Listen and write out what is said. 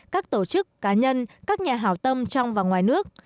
các tổ chức cá nhân các nhà hảo tâm trong và ngoài nước